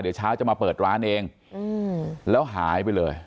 เดี๋ยวเช้าจะมาเปิดร้านเองแล้วหายไปเลย